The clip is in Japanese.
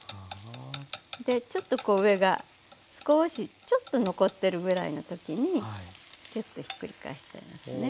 でちょっとこう上が少しちょっと残ってるぐらいの時にきゅっとひっくり返しちゃいますね。